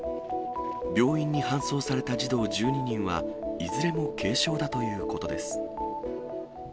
病院に搬送された児童１２人はいずれも軽症だということです。